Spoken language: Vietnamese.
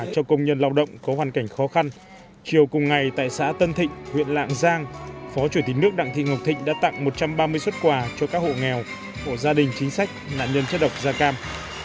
cho công nhân lao động có hoàn cảnh khó khăn chiều cùng ngày tại xã tân thịnh huyện lạng giang phó chủ tịch nước đặng thị ngọc thịnh đã tặng một trăm ba mươi xuất quà cho các hộ nghèo hộ gia đình chính sách nạn nhân chất độc da cam